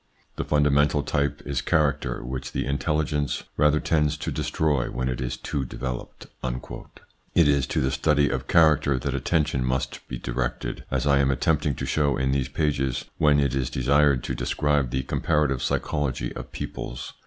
The fundamental type is character, which the intelligence rather tends to destroy when it is too developed." It is to the study of character that attention must be directed, as I am attempting to show in these pages, when it is desired to describe the comparative psychology of peoples.